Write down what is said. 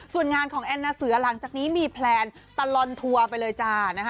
ส่วนงานของแอนนาเสือหลังจากนี้มีแพลนตลอนทัวร์ไปเลยจ้านะคะ